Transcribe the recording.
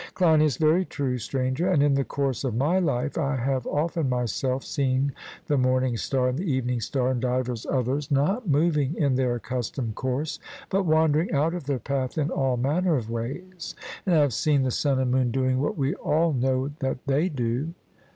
CLEINIAS: Very true, Stranger; and in the course of my life I have often myself seen the morning star and the evening star and divers others not moving in their accustomed course, but wandering out of their path in all manner of ways, and I have seen the sun and moon doing what we all know that they do.